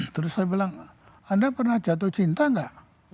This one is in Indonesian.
terus saya bilang anda pernah jatuh cinta nggak